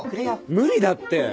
無理だって！